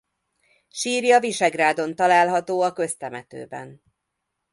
Sírja Visegrádon található a Köztemetőben.